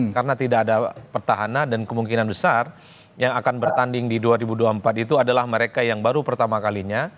karena tidak ada petahana dan kemungkinan besar yang akan bertanding di dua ribu dua puluh empat itu adalah mereka yang baru pertama kalinya